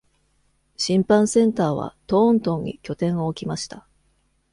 審判センターはトーントンに拠点を置きました。